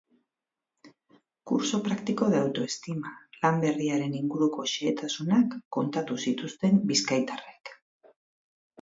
Curso practico de autoestima lan berriaren inguruko xehetasunak kontatu zituzten bizkaitarrek.